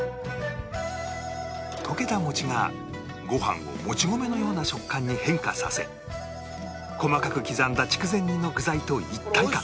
溶けたもちがご飯をもち米のような食感に変化させ細かく刻んだ筑前煮の具材と一体化